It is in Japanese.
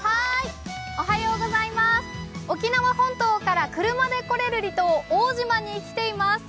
沖縄本島から車で来れる離島・奥武島に来ています。